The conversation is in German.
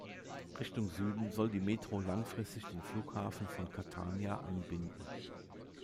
Richtung Süden soll die Metro langfristig den Flughafen von Catania anbinden.